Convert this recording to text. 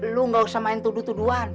lu gak usah main tuduh tuduhan